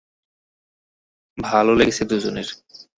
ভালো লেগেছে দুজনের।